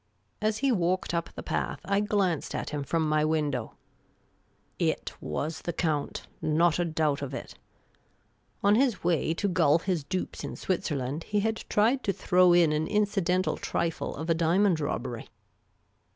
As he walked up the path, I glanced at him from my window. It I 12 Miss Cayley's Adventures was the Count, not a doubt of it. On his way to gull his dupes in Switzerland, he had tried to throw in an incidental trifle of a diamond robbery. THE COUNT.